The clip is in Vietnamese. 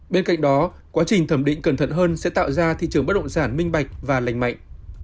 bên cạnh đó quá trình thẩm định cẩn thận hơn sẽ tạo ra thị trường bất động sản minh bạch và lành mạnh